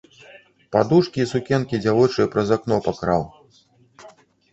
Падушкі і сукенкі дзявочыя праз акно пакраў.